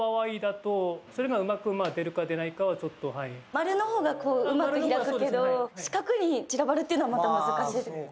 丸の方がうまく開くけど四角に散らばるっていうのはまた難しい。